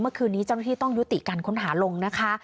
เมื่อคืนนี้เจ้าหน้าที่ต้องยุติการค้นหาลงนะคะ